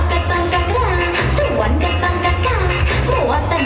แต่ถ่ายัดอยากไม่ได้